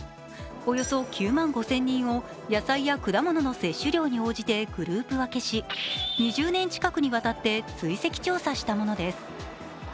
およそ９万５０００人を野菜や果物の摂取量に応じてグループ分けし２０年近くにわたって追跡調査したものです。